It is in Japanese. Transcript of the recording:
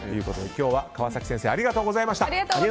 今日は川崎先生ありがとうございました。